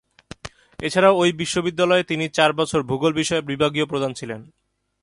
এছাড়াও ঐ বিশ্ববিদ্যালয়ে তিনি চার বছর ভূগোল বিষয়ের বিভাগীয় প্রধান ছিলেন।